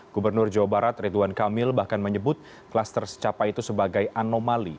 gubernur jawa barat ridwan kamil bahkan menyebut klaster secapai itu sebagai anomali